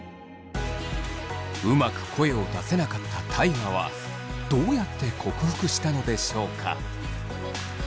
うまく声を出せなかった大我はどうやって克服したのでしょうか。